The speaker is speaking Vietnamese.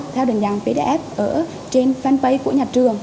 theo định dạng pdf ở trên fanpage của nhà trường